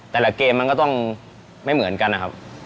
แต่ละเกมมันก็ต้องไม่เหมือนกันนะครับ